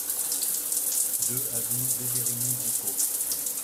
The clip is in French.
deux avenue Beverini Vico